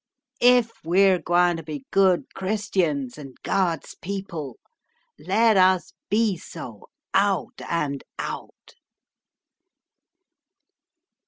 If we're gwine to be good Christians and God's people let us be so out and out."